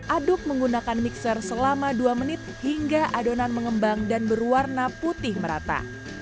aduk menggunakan mixer selama dua menit hingga adonan mengembang dan berwarna putih merata